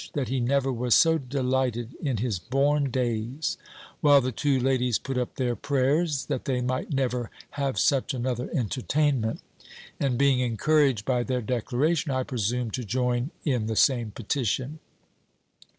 that he never was so delighted in his born days. While the two ladies put up their prayers, that they might never have such another entertainment. And being encouraged by their declaration, I presumed to join in the same petition.